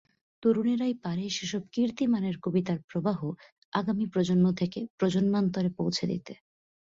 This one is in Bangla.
তরুণেরাই পারে সেসব কীর্তিমানের কবিতার প্রবাহ আগামী প্রজন্ম থেকে প্রজন্মান্তরে পৌঁছে দিতে।